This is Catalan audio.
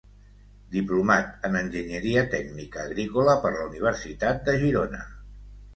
Diplomat en Enginyeria Tècnica Agrícola per la Universitat de Girona.